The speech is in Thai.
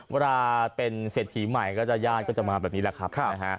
เวลาเป็นเศรษฐีใหม่ย่านก็จะมาแบบนี้แหละครับ